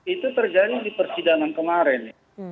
itu terjadi di persidangan kemarin